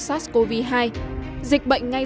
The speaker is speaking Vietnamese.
sars cov hai dịch bệnh ngay